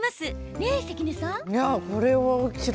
ね、関根さん？